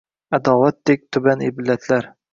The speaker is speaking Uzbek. Аdovatdek tuban illatlar